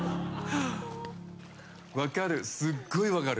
分かる、すごい分かる。